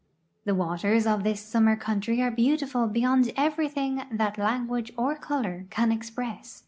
The waters of this summer country are beautiful beyond everything that language or color can express.